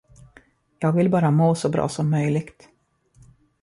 Jag vill bara må så bra som möjligt.